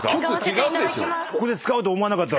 ここで使うと思わなかった。